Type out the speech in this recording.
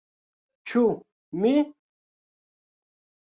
Ĉu mi?!